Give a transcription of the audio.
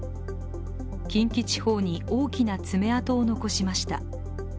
近畿地方に大きな爪痕を残しました。